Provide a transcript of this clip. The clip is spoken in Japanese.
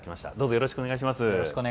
よろしくお願いします。